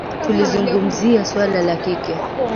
Tulizungumzia suala la kile